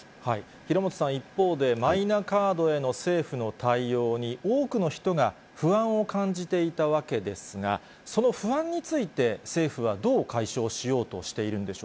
平本さん、一方で、マイナカードへの政府の対応に多くの人が不安を感じていたわけですが、その不安について、政府はどう解消しようとしているんでし